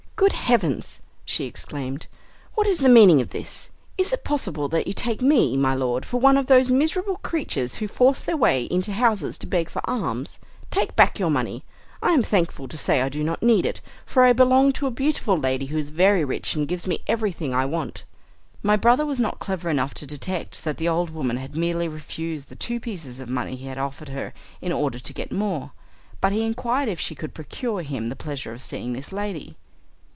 "Good heavens!" she exclaimed, "what is the meaning of this? Is it possible that you take me, my lord, for one of those miserable creatures who force their way into houses to beg for alms? Take back your money. I am thankful to say I do not need it, for I belong to a beautiful lady who is very rich and gives me everything I want." My brother was not clever enough to detect that the old woman had merely refused the two pieces of money he had offered her in order to get more, but he inquired if she could procure him the pleasure of seeing this lady.